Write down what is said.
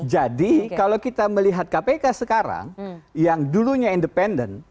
jadi kalau kita melihat kpk sekarang yang dulunya independen